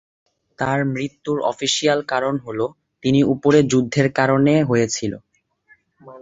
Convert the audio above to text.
তাঁর মৃত্যুর অফিসিয়াল কারণ হ'ল তিনি উপরে যুদ্ধের কারণে হয়েছিলো।